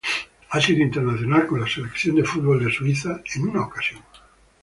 Ha sido internacional con la Selección de fútbol de Suiza en una ocasión.